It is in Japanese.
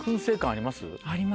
あります。